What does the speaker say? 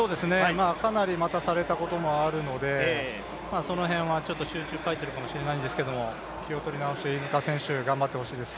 かなり待たされたこともあるので、その辺は集中を欠いているかもしれないんですけど気を取り直して飯塚選手頑張ってほしいです。